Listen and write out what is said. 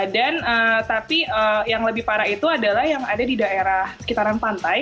dan tapi yang lebih parah itu adalah yang ada di daerah sekitar pantai